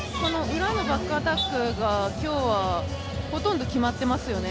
裏のバックアタックが今日はほとんど決まっていますよね。